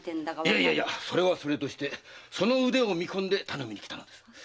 いやそれはそれとしてその腕を見込んで頼みに来たのだ。